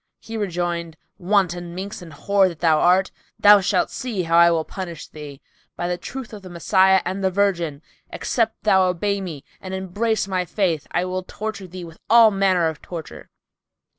He rejoined, "Wanton minx and whore that thou art, thou shalt see how I will punish thee! By the truth of the Messiah and the Virgin, except thou obey me and embrace my faith, I will torture thee with all manner of torture!"